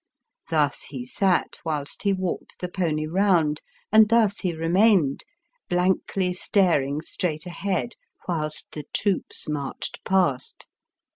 Thus he sat whilst he walked the pony round, and thus he remained, blankly staring straight ahead whilst the troops marched past.